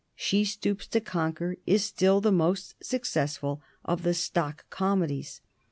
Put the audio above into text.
"She Stoops to Conquer" is still the most successful of the stock comedies.